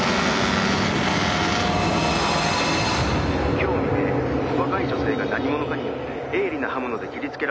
「今日未明若い女性が何者かによって鋭利な刃物で切りつけられる事件が起きました」